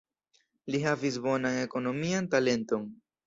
Li havis bonan ekonomian talenton.